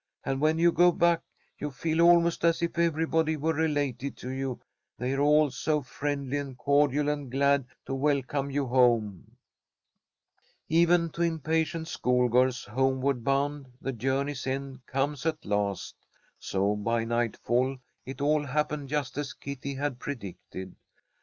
And when you go back, you feel almost as if everybody were related to you, they're all so friendly and cordial and glad to welcome you home." Even to impatient schoolgirls homeward bound, the journey's end comes at last, so by nightfall it all happened just as Kitty had predicted.